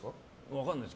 分からないです。